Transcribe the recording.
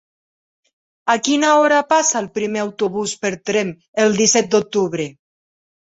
A quina hora passa el primer autobús per Tremp el disset d'octubre?